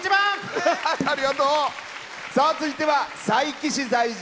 続いては佐伯市在住。